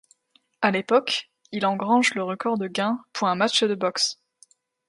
À l'époque, il engrange le record de gains pour un match de boxe.